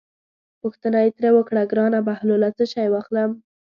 پوښتنه یې ترې وکړه: ګرانه بهلوله څه شی واخلم.